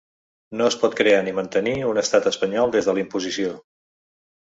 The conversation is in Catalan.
No es pot crear ni mantenir un estat espanyol des de la imposició.